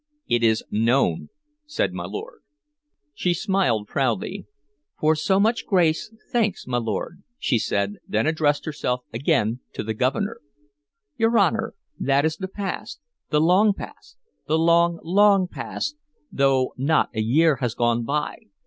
"It is known," said my lord. She smiled proudly. "For so much grace, thanks, my lord," she said, then addressed herself again to the Governor: "Your Honor, that is the past, the long past, the long, long past, though not a year has gone by.